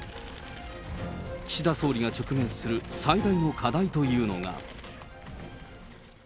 岸田総理が直面する最大の課題というのが。